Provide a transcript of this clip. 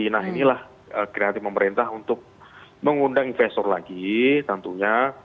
nah inilah kreatif pemerintah untuk mengundang investor lagi tentunya